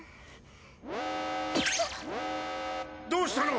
どうしたの！？